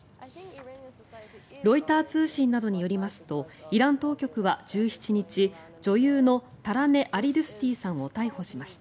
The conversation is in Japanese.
ロイター通信などによりますとイラン当局は１７日女優のタラネ・アリドゥスティさんを逮捕しました。